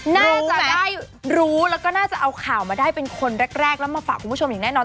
น่าจะได้รู้แล้วก็น่าจะเอาข่าวมาได้เป็นคนแรกแล้วมาฝากคุณผู้ชมอย่างแน่นอน